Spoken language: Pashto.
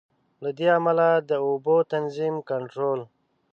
له دې امله د اوبو تنظیم، کنټرول.